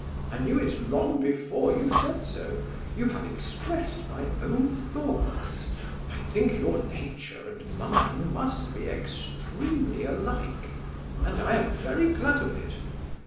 I knew it long before you said so; you have expressed my own thoughts. I think your nature and mine must be extremely alike, and I am very glad of it.